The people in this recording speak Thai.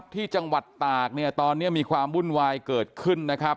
ที่จังหวัดตากตอนนี้มีความวุ่นวายเกิดขึ้น